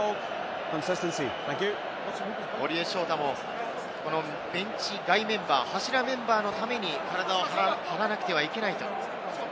堀江翔太もベンチ外メンバー、柱メンバーのために体を張らなくてはいけないと。